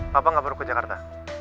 papa gak perlu ke jakarta